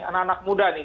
anak anak muda nih